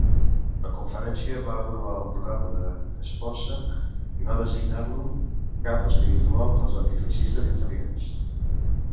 La conferència va aprovar el programa de Sforza i va designar-lo cap espiritual dels antifeixistes italians.